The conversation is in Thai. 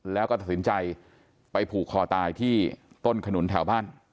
แล้วก็ตัดสินใจไปผูกคอตายที่ต้นขนุนแถวบ้าน